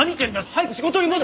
早く仕事に戻り。